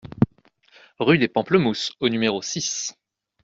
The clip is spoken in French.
Rue des Pamplemousses au numéro six